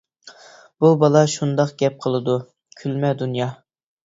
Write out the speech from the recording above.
بۇ بالا شۇنداق گەپ قىلىدۇ. كۈلمە دۇنيا!